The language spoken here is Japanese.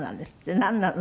なんなの？